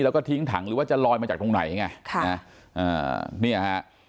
แล้วก็ทิ้งถังหรือว่าจะลอยมาจากตรงไหนไงค่ะนะอ่าเนี่ยฮะ